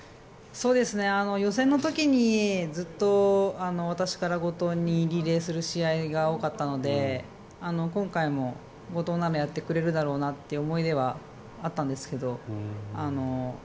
予選の時にずっと私から後藤にリレーする試合が多かったので今回も後藤ならやってくれるだろうなという思いではあったんですけど。